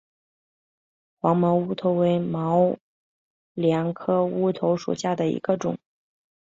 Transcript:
黄毛乌头为毛茛科乌头属下的一个种。